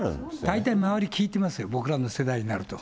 大体周り、聞いてますよ、僕らの世代になると。